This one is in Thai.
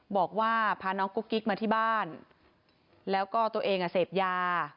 บอกว่าพาน้องกุ๊กกิ๊กมาที่บ้านแล้วก็ตัวเองอ่ะเสพยา